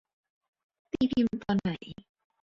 ตีพิมพ์ตอนไหน